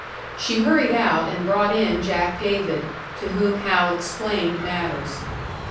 She hurried out and brought in Jack David, to whom Hal explained matters.